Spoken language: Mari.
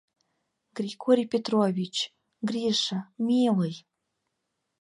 — Григорий Петрович, Гриша, милый!